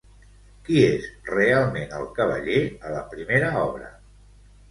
Qui és realment el cavaller a la primera obra?